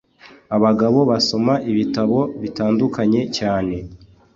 abagabo basoma ibitabo bitandukanye cyane